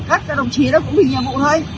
các đồng chí đó cũng thì nhiệm vụ thôi